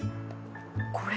これ？